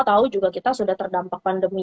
tahu juga kita sudah terdampak pandemi